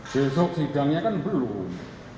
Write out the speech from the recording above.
besok sidangnya kan belum